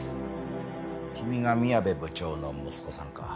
君が宮部部長の息子さんか。